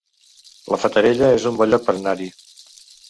La Fatarella es un bon lloc per anar-hi